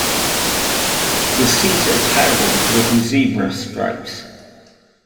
The seats are patterned with zebra stripes.